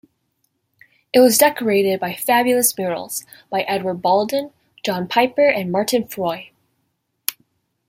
It was decorated by fabulous murals by Edward Bawden, John Piper and Martin Froy.